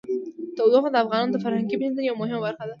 تودوخه د افغانانو د فرهنګي پیژندنې یوه مهمه برخه ده.